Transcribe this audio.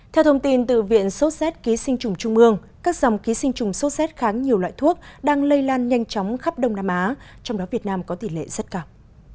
theo thông tin từ viện sốt xét ký sinh trùng trung ương các dòng ký sinh trùng sốt xét kháng nhiều loại thuốc đang lây lan nhanh chóng khắp đông nam á trong đó việt nam có tỷ lệ rất cao